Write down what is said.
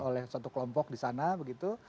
oleh satu kelompok disana begitu